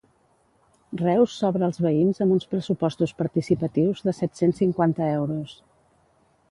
Reus s'obre als veïns amb uns pressupostos participatius de set-cents cinquanta euros.